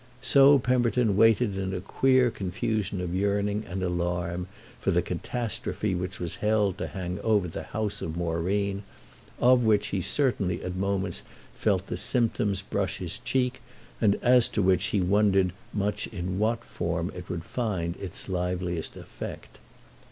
So Pemberton waited in a queer confusion of yearning and alarm for the catastrophe which was held to hang over the house of Moreen, of which he certainly at moments felt the symptoms brush his cheek and as to which he wondered much in what form it would find its liveliest effect.